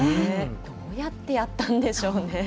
どうやってやったんでしょうね。